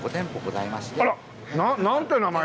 あらっ！なんて名前？